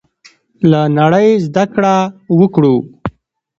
له نړۍ زده کړه وکړو.